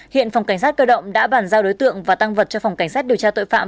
hiện phòng cảnh sát cơ động đã bàn giao đối tượng và tăng vật cho phòng cảnh sát điều tra tội phạm